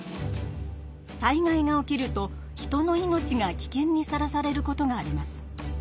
災害が起きると人の命がきけんにさらされることがあります。